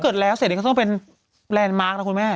คุณแม่เขาถ้าเป็นแลนมาร์คนะคุณแม่